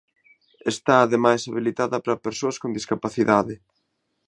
Está ademais habilitada para persoas con discapacidade.